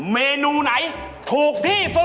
เมนูไหนถูกที่สุด